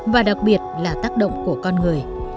và đặc biệt là tác động của con người